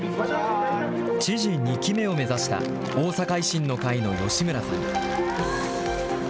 知事２期目を目指した、大阪維新の会の吉村さん。